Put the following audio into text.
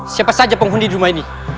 siapa saja penghuni rumah ini